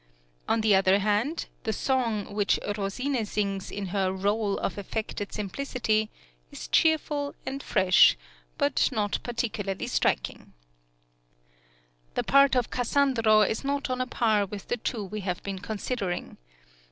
On the other hand, the song (17) which Rosine sings in her rôle of affected simplicity, is cheerful and fresh, but not particularly striking. The part of Cassandro is not on a par with the two we have been considering.